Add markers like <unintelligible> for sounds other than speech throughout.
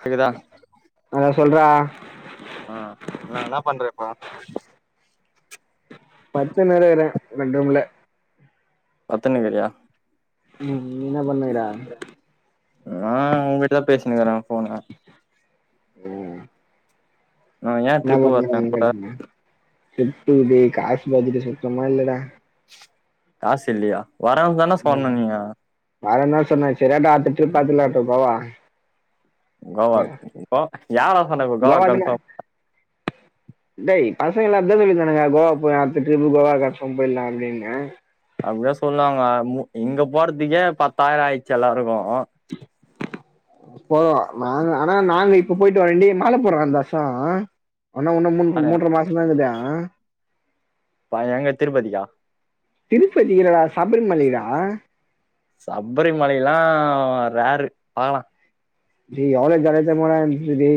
கேக்குதா அதா சொல்றா ஆ நா என்ன பண்ற இப்போ படுத்துனுனுக்குறே பெட் ரூம்ல பத்துனுகிறியா ம் நீ என்ன பண்ணுகிறா நா ஊகிட்டதா பேசினுக்குற போன ம் நா <unintelligible> <unintelligible> ஏ ட்ரிப்பு வர்ல எங் கூட காசு பாதிட்டு சுத்தமா இல்லடா காசு இல்லியா வர தானா சொன்ன நீங்க வர தான் சொன்ன <unintelligible> கோவா கோ யாரா சொன்னப்ப கோவா கன்பாம் டெய் பசங்க எல்லா அப்டிதா சொல்லி கிட்டு இருந்தானோங்க கோவா போலா அடுத்த ட்ரிப் கோவா கன்பார்ம் போய்ட்லா அப்டின்னு அப்ட சொல்லாங்க இங்க போறதுக்கே பத்தாய்ரோ ஆய்ச்சி எல்லாருக்கோ முப்பது ரூபா நாங்க ஆனா நாங்க இப்ப பொய்ட்டு <unintelligible> மால போட்ரா ந்தா வஷ்ஷா ஓன்னா ஒன்னு மூ நானு மூன்ற மாசந்தாகுது ஆ பா‌ எங்க திருப்பதிக்கா திருப்பதி இல்லடா சபரிமலைடா சபரிமலைலா ரேரு பாக்லா டேய் எவ்ளோ ஜாலியா தெரியுமா டே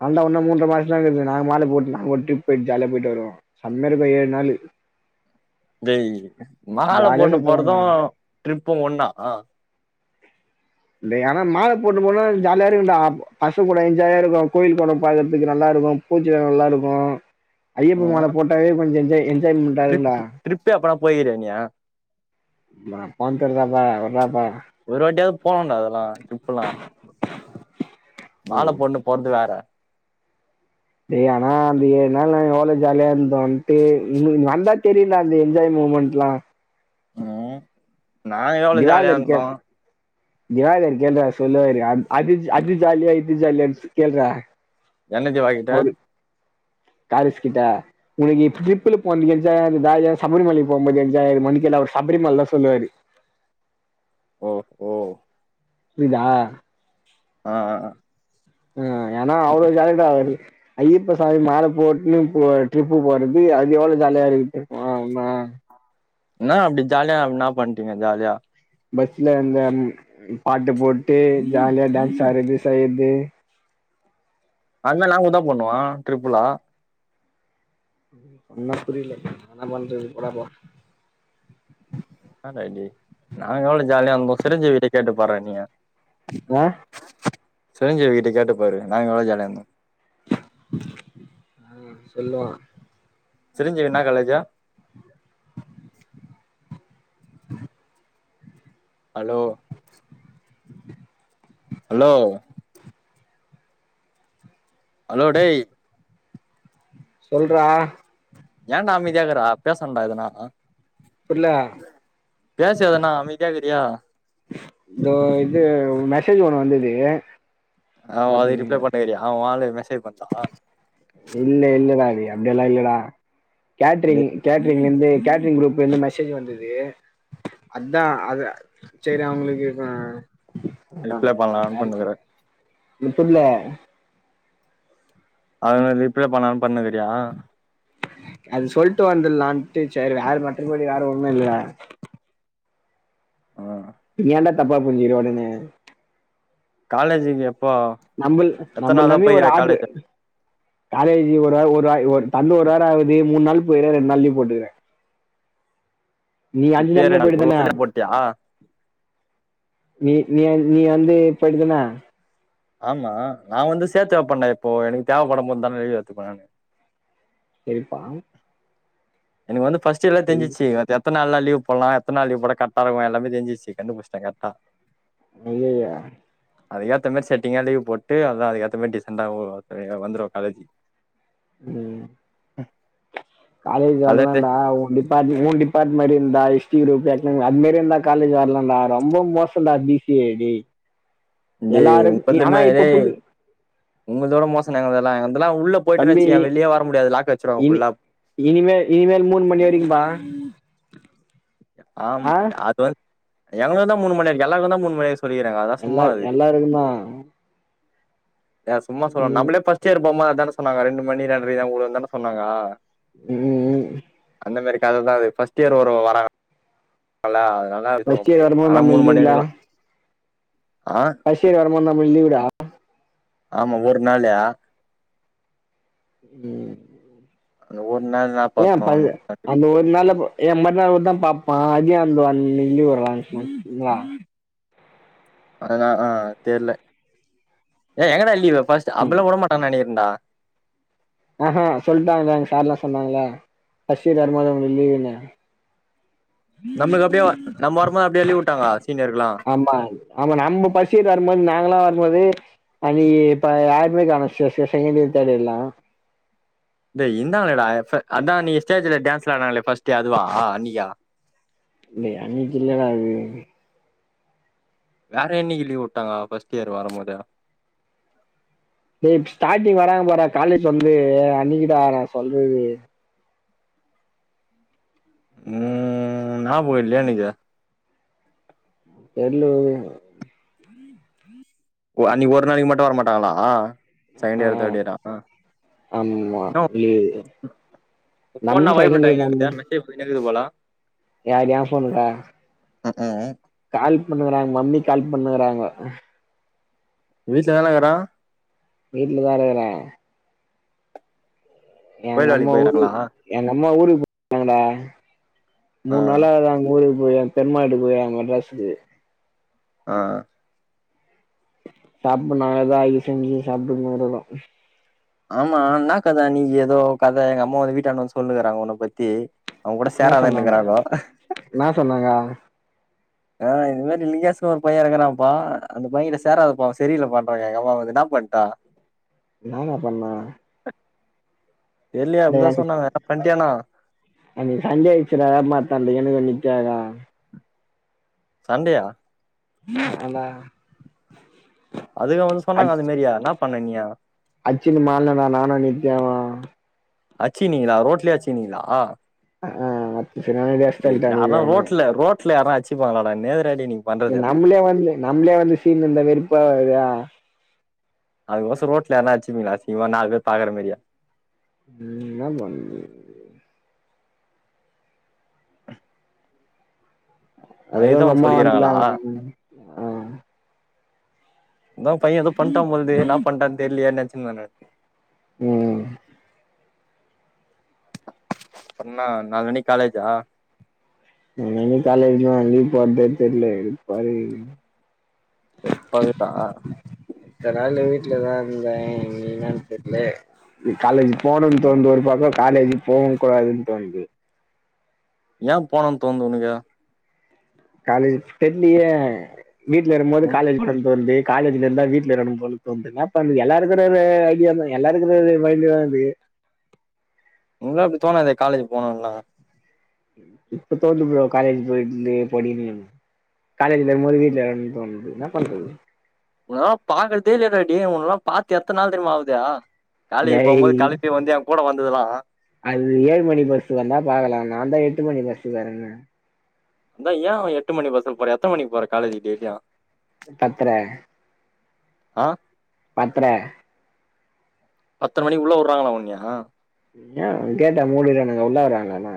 அவள்தா ஒன்னு மூன்ற மாஸ்தாகுது நா மால போட்டு நா ஒட்டிப் பொய்ட் ஜால்யா பொய்ட்டருவோ சம்மருக்கோ ஏழ் நாளு டேய் மால ஜாலியா பொண்ணு போறது சுத்துறாங்க ட்ரிப்பு ஒண்ணா டேய் ஆனா மால போட்டு போனா ஜால்லா இருக்குன்டா பசு கூட என்ஜாயாருக்கோ கோயில் கூட பாக்கர்துக்கு நல்லா இருக்கோ பூஜ்ஜ நல்லா இருக்கு ஐயப்ப மால போட்டாலே கொஞ்ச என்ஜாய் என்ஜாய்மெண்டா ட்ரிப் இருக்கும்டா ட்ரிப்பெப்பா பொய்குறியாநி நா போன்ந்தில்லபா விட்றப்ப ஒரு வாட்டியா போணோன்டா அதலா ட்ரிப்புலா மால ம் பொண்ணு போற்து வேற டேய் ஆனா அந்த ஏழ் நாள் நா யோளோ ஜால்யாந்தோன்ட்டு வந்தா தெரில அந்த என்ஜாய் மூமெண்ட் லா ம், நாங்க எவ்ள ஜாலியா திவாகர் இருந்தோ கேள் <unintelligible> கேள்றா சொல்லவே இல்ல அது அது ஜாலியா இது ஜாலிய கேள்றா என்னத்தியோ வாங்கிட்ட <inaudible> காரிஸ் கிட்ட உனக்கு ட்ரிப்ள போனது என்ஜாயா இருந்துதா இல்ல சபரிமலைக்கு போம் போது என்ஜாய் இருக்குமா கேளு சபரிம மலை தான் சொல்லுவாரு ஓ ஓ புரிதா ஆ ஆ ஆ ஏன்னா அவளோ ஜாலியாருந்தாரு அவரு ஐயப்ப சாமி மாலை போட்டுன்னு இப்போ ட்ரிப்பு போறது அது எவ்ளோ ஜாலியா இருக்கு தெரியுமா ஆ இன்னா அப்டி ஜாலியா அப்டி இன்னா பண்ட்டீங்க ஜாலியா பஸ்ல அந்த பாட்டு போட்டு ஜாலியா டான்ஸ் ஆடுறது செய்யறது அதெல்லா நாங்ககூடதான் பண்ணுவோம் ட்ரிப்புலா சொன்னா புரியல நனாம போராப்ப போ என்ன ஜாலி நாங்க எவ்ளோ ஜாலியா இருந்தோ சிரஞ்சீவி கிட்ட கேட்டு பாட்ரா நீ ஆ சிரிஞ்சிவீ கிட்ட கேட்டு போரு நாங்க எவ்வளோ ஜாலியா இருந்தோ ஆ சொல்லுவா சிரஞ்சீவி இன்னா காலேஜு ஹலோ ஹலோ ஹலோ டேய் சொல்றா ஏன்டா அமைதியாகிற பேசான்டா எதுனா புர்ல பேசவேனா அமைதியாகிறியா இதோ இது மெசேஜ் ஒண்ணு வந்தது ஆ அது ரிப்ளை பாத்துனுருந்தே பண்ணிகிறியா வோன் ஆலுக் மெசேஜ் பண்ணா இல்ல இல்லடா அப்டியெல்லாம் இல்ல கேட்ரிங் கேட்ரிங் ந்து கேட்ரிங் குரூப்லருந்து மெசேஜ் வந்தது அதான் அது சரி அவங்களுக்கு ஆஹ் ரிப்ளை பண்ணலான்னு ஆமா பண்ணுகிற முத்தூர்ல அவ ரிப்ளை பண்ணானு பண்ணினுக்கிறியா அது சொல்லிட்டு வந்துலான்ட்டு சரி வேற மற்றபடி வேற ஒண்ணும் இல்ல உம் நீ ஏன்டா தப்பா புரிஞ்சுக்குற உடனே காலேஜிகு நம்பல் நம்பல நம்பி ஒரு ஆடரு காலேஜ் காலேஜி ஒரு ஒரு தெறந்து ஒரு வாரமாகுது மூன் நாள் போய் கிறேன் ரெண்டு நாள் லீவ் போட்டுக்கறேன் நீ அஞ்சு இப்பயே நாலுமே ரெண்டு போயிட்ட ஒரு தான வருஷத்துல போட்டியா நீ நீ வந்து போய்டதான ஆமா நான் வந்து சேர்த்து வெப்பண்டா இப்போ எனக்கு தேவைப்படும் போது தானே எழுதி எத்துக்குவேன் ஹெல்ப்பா எனக்கு வந்து ஃபர்ஸ்ட் எல்லாம் தெரிஞ்சுச்சு எத்தனநாள் நா லீவ் போல்லாம் எத்த நாள் லீவ்போட்ட கரெக்டா இருக்கும் எல்லாமே தெரிஞ்சுச்சு கண்டுபுடிச்டேன் கரெக்டா மெய்யா அதுக்கேத்த மாதிரி செட்டிங்கா லீவ் போட்டு அதான் அதுக்கேத்த மாதிரி டிசன்ண்டா வந்துருவே காலேஜிக்கு உம் காலேஜ் அதான்டே வரனும்டா உன் டிபார்ட் உன் டிபார்ட்மெண்ட் மாரியே ந்தா ஹிஸ்ட்ரி குரூப் அதுமாதிரி இருந்தா காலேஜ் வரலாம்டா ரொம்ப மோசம் டா பி சி ஏ இது ஒழுங்காவே புது உங்கள்தோட மோசன்டா எங்குள்தெல்லா அதல்லாம் உள்ள போயிட்டேனு தம்பி நெனச்சியெ வெளியே வர முடியாது லாக் வச்சிருவாங்க இனி ஃபுல்லா இனிமேல் இனிமேல் மூணு மணி வரைக்கும்பா ஆமா ஆ அது வந்து எங்க தா இருந்தா மூணுமணி இருக்கு எல்லாருக்கு தான் மூணுமணி சொல்லிகிறாங்க அதாலா சும்மா எல்லா அது எல்லாருக்கும் தான் ஏ சும்மா சொல்லணு நம்ளே ஃபரஸ்ட் இயர் போம்போது அதான சொன்னாங்க ரெண்டு மணி ரெண்டரை தா வுடுவனு தான சொன்னாங்க உம் உம் அந்தமாரி கத தா அது ஃபர்ஸ்ட் இயர் ஒரு வரோல நல்லா இருக்கு ஃபர்ஸ்ட் இயர் அங்கயே வரும்போது ஆனா நம்ம மூணு மணி லீவ்லா வரைக்குதா ஃபர்ஸ்ட் இயர் வரும்போது நமக்கு லீவுடா ஆமா ஒரு நாளு உம் அந்த ஒர் ஏன் அப்ப அந்த ஒரு நாளு அப்போ என் மறுநாள் வந்து தா பாப்பான் அதியா ப்ரோ அந்தி வர்வா அததா ஆஹ் தெர்ல ஏ எங்கடா லீவு ஃபர்ஸ்ட் அப்பளா உடமாட்டான்னு டா ஆஹ்ஹா சொல்டாங்களா எங்க சார் எல்லா சொன்னாங்களா ஃபஸ்ட் இயர் வரும்போது உங்களுக்கு லீவுனு நம்மளுக்கு அப்டியே நம்ம வரும்போது அப்டியே லீவ் உட்டாங்க சீனியர்க்குலா ஆமா ஆமா நம்ம ஃபஸ்ட் இயர் வரும்போ நாங்களா வரும்போது அன்னைக்கி இப்ப யாருமே காணு ஸ்செகண்ட் இயர் தேர்ட் எல்லா டேய் இருந்தாங்களே டா அதா நீ ஸ்டேஜ்ல டான்ஸ்ல ஆடுனாங்களே ஃபர்ஸ்ட் டே அதுவாஹ் அன்னிக்கா இல்ல அன்னைக்கி இல்லடா அது வேற என்னைக்கி லீவ் வுட்டாங்க பர்ஸ்ட் இயர் வரும் போதே டேர் ஸ்டார்ட்டிங் வராங்க பாரா காலேஜ் வந்து அன்னிக்குடா நா சொல்றது ம் ஞாபக இல்லையே எனக்கு <unintelligible> அன்னைக்கி ஒரு நாளைக்கு மட்டு வரமாட்டாங்களா செகண்ட் ஆ இயர் தேர்ட் இயரா ஆமா லீவு உன் போன் நம்ம என்ன வைப்ரேட் செகண்ட் இயர் ஆகின்னே தான்டா இருக்குது மெசேஜ் வந்துகின்னே இருக்குது போல யார் எ போண்கா <unintelligible> கால் பண்ணுறாங்க மம்மி கால் பண்ணுகறாங்க வீட்ல தான இருக்குற வீட்லதா இருக்குற எங்க கோயில் அம்மா வேலைக்கு ஊரு போயிறாங்களா எங்க அம்மா ஊருக்கு <unintelligible> டா ஆ மூணு நாளா ஆகுதா அங்க ஊருக்கு போய் பெரிமாவீட்டுக்கு போய் மெட்ராசுக்கு ஆ சாப்படுனால தா ஆகி செஞ்சு சாப் <unintelligible> ஆமா அண்ணா கத நீ ஏதோ கத எங்க அம்மா வந்து வீட்டான்ட சொல்லுகறாங்க உன பத்தி அவன் கூட என்ன சொன்னாங்க சேராதாங்குனாங்குராங்கோ என்னா சொன்னாங்க ஆ இதுமாரி லிங்கேஸ்கு ஒருபயன் இருக்கறாப்பா அந்த பையங்கூட சேராதபா அவன் செரியிலபா பண்றங்க அம்மா வந்து என்ன பண்ட்ட நா என்ன பண்ண தெர்லயே <unintelligible> அப்டிதா சொன்னாங்க எதனா பண்ட்டியானா அன்னிக்கி சண்டே ஆயிட்சி டா <unintelligible> <unintelligible> சண்டையா ஆமா டா அதுக வந்து சொன்னாங்க அது மாரியா என்ன பண்ன நீ அச்சின் மால நானு நித்யாவு அச்சு நீங்களா ரோட்லே அச்சிநீங்களா ஆ ஆ <unintelligible> சரியான அடி அடிச் <unintelligible> அவன ரேட்ல யாரச்சு அச்சிக்குவாங்களடா <unintelligible> நம்மளே வந்து நம்மளே வந்து சீன்டிந்த வெரப்பா <unintelligible> அதுக்கசம் ரோட்லயனா வச்சுப்பங்களா அசீங்கமா நாலு பேர் பாக்குற மாரி ம் என் பண்ண அத அதுதான் உங்க அவங்க அம்மா சொல்லிக்கிறாங்களா வந்தந்தாங்க ஆ அதான் பையன் ஏதோ பண்ட்டான் பொழுது நான் பண்ட்டான்னு தெரிலையா நினச்ச நானு ம் அப்புற என்ன நாலு மணிகு காலேஜா ஆ இன்னிக்கும் காலேஜ் தான் எதுக்கு போறதுனே தெரியல வெறுப்பாருக்குது எர்ப்பாருக்குதா வீல தான் இருந்தேன் நீ என்னு தெரியல காலேஜ் போனும்ன்னனு தோணுது ஒரு பக்கம் காலேஜு போகவும் கூடாதுன்னு தோணுது ஏன் போணுன்னு தோணுது உனக்கு காலேஜ் தெரிலயே வீட்ல இருக்கும்போது உன் காலேஜ் போனு தோணுது காலேஜ்ல இருந்தா வீட்ல இருக்குனும் போல தோணுது என்ன பண்றது எல்லாருக்க ஐடிய தான் எல்லாருக்கு மைண்ட் தா இது <inaudible> உனக்குல அப்புடி தோணாேதே காலேஜ் போனும்லா இப்ப தோணுது ப்ரோ காலேஜ் போயட படிக்க காலேஜ் ல இருக்கும்போது வீட்ல இருக்கநும்ன்னு தோணுது என்னபண்றது உங்கல்லாம் பாக்குறதே இல்லைய டேய் உனல்லாம் பாத்து எத்த நாள் தெரியுமா ஆவுது காலேஜ் டேய் போம்போது கலப்பி வந்த அவங்க கூட வந்ததுலா அது ஏழு மணி பஸ் வந்தா பாக்கலாம்ங்க நான்தான் எட்டு மணி பஸ்க்கு வரன்ன அதான் ஏன் எட்டு மணி பஸ்கு போறே எத்தன மணிக்கு போற காலேஜி டெய்லிம் பத்தர அ பத்ர பத்ர மணிக் வஉள்ள உத்றாங்களா உண்ணியா கேட்டா மூடிறானுங்க உள்ளா வறாங்கனா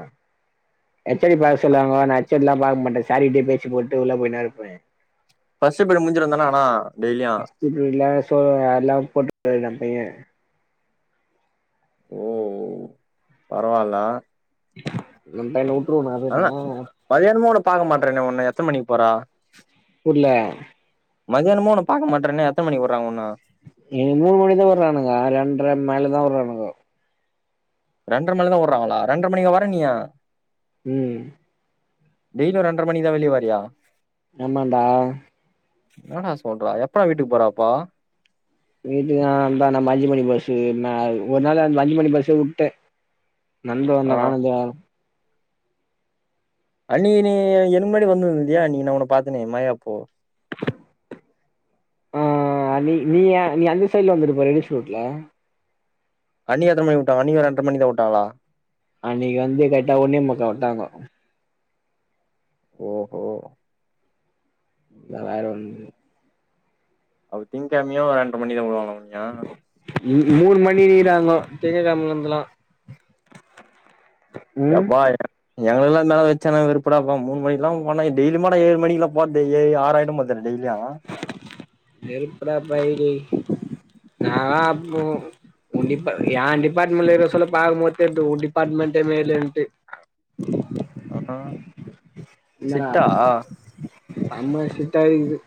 எச்ச பாக்க சொல்லுவாங்க நா அச்சடி எல்லாம் பாக்க மாட்ட சாரிட்டய பேச்சு போட்டு உள்ள போய் நா இருப்ப பஸ்டுப்பிரேட் முடிஞ்சிருந்தானா ஆனா டெய்லியும் பிரஸ்ட்பிரேட்ல்லா சோ போட்டு போய்ட்டு நா பைய ஓ பரவால நம் பைன் ஊர் ஆன மதியானமோ உன்ன பாக்க மாட்றானே ஒன்னு எத்தன் மணிக் போறா புர்ல மதியானமு ஒன்ன பாக்க மாட்றனே எத்தன் மணிக் உற்றங் உன்ன இனி மூணு மணிதா உற்றானுங்க ரெண்டர மேல தா உற்றானுங்க ரெண்டர மணிலதா உட்றாங்ளா ரெண்டர மணிங்கா வர நீ ம் டெய்லி ஒரு ரெண்ர மணிக்தா வெளிய வரியா எமான்டா என்டா சொல்றா எப்ப டா வீட்டுக் போற அப்ப வீட்டு நா தா நம்ம அஞ்சு மணி பஸ்ஸு நா ஒரு நாள் மஞ்சு மணி பஸ்யே உட்ட நண்ப ஆ வந்த நானுந்த அன்னிக்கிநீ என்க்கு முன்னாடி வந்திருந்தியா நீ நா உன்ன பாத்தனே மயாப்போ அ அ அ நீ நீ நீ அந்த சைட்ல வந்துட்டு போ ரெடி ஷுட்ல அன்னி எத்தன் மணிக் உட்டாங்க அன்னிக்கு ஒரு ரென்ற மணிகுதா உட்டாங்ளா அன்னிக் வந்து கர்ட்டா ஒன்னே முக்கக்கு உட்டாங்கோ ஓஹோ நல்லாயிரம் <unintelligible> அவ திங்கிழமையும் ரெண்டெரை மணிதான் விடுவாங்கலாமா இங்கு மூணு மணி ரா <inaudible> திங்ககிழைமலிருந்தெலா யப்பாய எங்க எல்லாம் மே வச்சோ வெறுப்பாப்ப மூணு மணிக் எல்லாம் போனே டெய்லி ஏழு மணில போது ஏ ஆயிரும் மத வெருப்பட பைலி நா அப்போம் உன் டி என் டிபார்ட்மெண்ட்ல இரு பாக்குறப்ப தெரியுது உன் டிபார்ட்மென்ட் மேலேன்ட்டு ஆமா ம் சிட்டா அம்மா சிட்டா இருக்கிது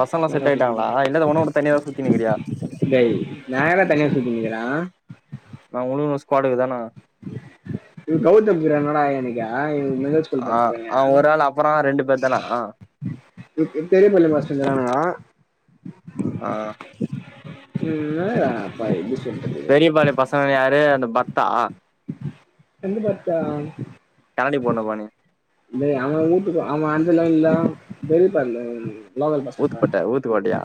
பசங்க செட் ஆயிட்டாங்களா இல்லாத உணு தனியாதா சுத்தினுருக்கிறியா லே நான் எங்க டா தனியா சுத்திண்ணிக்கிறேன் நான் மு ஸ்பாட்டுக்கு தானே இவ்ளவு கௌதம் கிரனடா எனக்கா ஆ ஆ ஒரு ஆள் அப்பறோ ரெண்டு பேர் தானா ஆ <unintelligible> பெரிய பாளை மாஸ்டர் இருக்குறானுக ஆ <inaudible> பெரியபாளைய பசங்க யாரு அந்த பர்த்தா கண்டு பார்த்தா கரடி போன பாணி அவ ஊட்டுக்கு அவ அந்த லைன்ல தெயி பண்ல லோகள் ஃபஸ்ட்டு ஊத்துக்கோட்ட ஊத்துக்கோட்டையா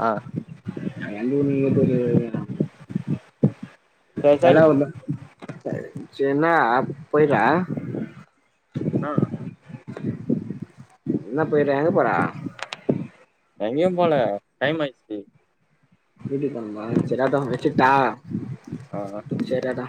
<unintelligible> சரி நல்லா சரி வர்ல சரி சேரினா அப்பறோ ஆ என்னா பொயிட்டே எங்க போற எங்கயு போல டைம் ஆய்ட்ச்சி வீட்டுக்கு போனுமா செரியாட்டோ வெச்சிர்ட்டா ஆ ஆ சேரியாடா